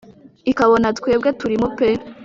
ikabona twebwe turimo pe